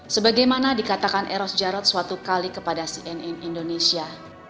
sebagaimana dikatakan eros jarod suatu kali kepada cnn indonesia